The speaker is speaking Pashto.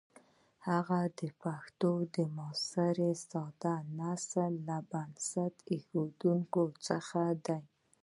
هغه د پښتو د معاصر ساده نثر له بنسټ ایښودونکو څخه دی.